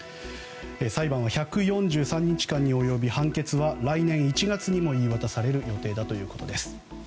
裁判は１４３日間に及び判決は来年１月にも言い渡される予定だということです。